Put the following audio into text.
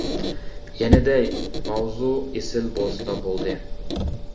يەنە دەي، ماۋزۇ ئېسىل بولسىلا بولدى.